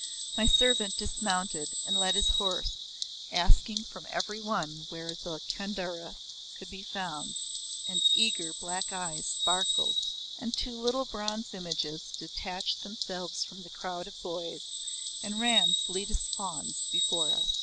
My servant dismounted and led his horse, asking from every one where the "Kedarnath" could be found, and eager black eyes sparkled and two little bronze images detached themselves from the crowd of boys, and ran, fleet as fauns, before us.